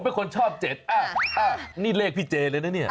เป็นคนชอบ๗อ่ะนี่เลขพี่เจเลยนะเนี่ย